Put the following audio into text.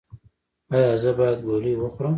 ایا زه باید ګولۍ وخورم؟